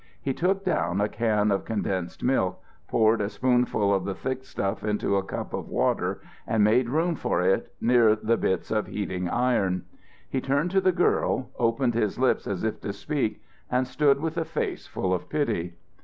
He took down a can of condensed milk, poured a spoonful of the thick stuff into a cup of water and made room for it near the bits of heating iron. He turned to the girl, opened his lips as if to speak and stood with a face full of pity.